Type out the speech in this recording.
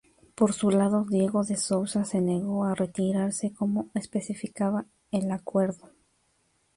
Por su lado, Diego de Souza se negó a retirarse como especificaba el acuerdo.